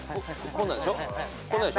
こんなんでしょ？